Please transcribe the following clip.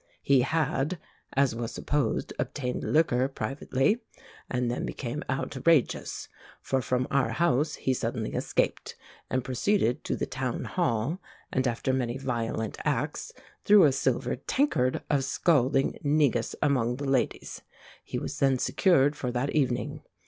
He had, as was supposed, obtained liquor privately, and then became outrageous; for, from our house he suddenly escaped and proceeded to the Town Hall, and, after many violent acts, threw a silver tankard of scalding negus among the ladies. He was then secured for that evening.